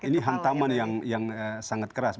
ini hantaman yang sangat keras